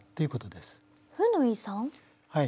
はい。